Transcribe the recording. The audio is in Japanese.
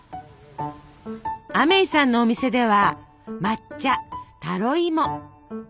アメイさんのお店では抹茶タロイモチョコレート。